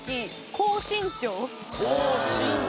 高身長。